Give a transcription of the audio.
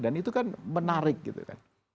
dan itu kan menarik gitu kan